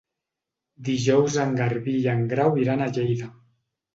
Dijous en Garbí i en Grau iran a Lleida.